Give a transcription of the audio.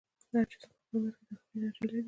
هر جسم په خپل منځ کې داخلي انرژي لري.